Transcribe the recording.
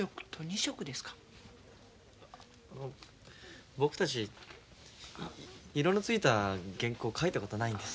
あの僕たち色のついた原稿を描いたことないんです。